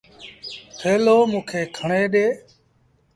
ٿيلو موݩ کي کڻي ڏي۔